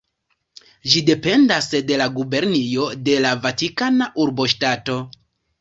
Ĝi dependas de la gubernio de la Vatikana Urboŝtato.